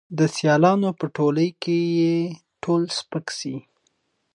د سیالانو په ټولۍ کي یې تول سپک سي